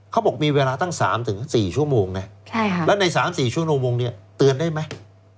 เขาบอกมีเวลาตั้งสามถึงสี่ชั่วโมงน่ะใช่ค่ะแล้วในสามสี่ชั่วโมงเนี่ยเตือนได้ไหม